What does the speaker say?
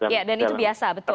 ya dan itu biasa betul